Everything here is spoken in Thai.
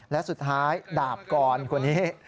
และสุดท้ายดาบกรคนนี้